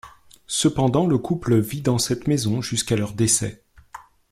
Cependant, le couple vit dans cette maison jusqu'à leur décès.